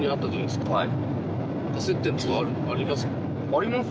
あります